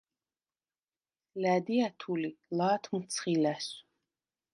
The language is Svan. ლა̈დი ა̈თუ ლი, ლა̄თ მჷცხი ლა̈სვ.